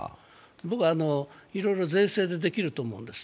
僕はいろいろ税制でできると思うんです。